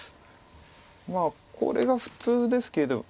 まあこれが普通ですけど。